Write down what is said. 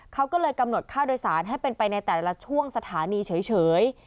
เขาก็เลยกำหนดค่าโดยสารให้เป็นไปในแต่ละช่วงสถานีเฉย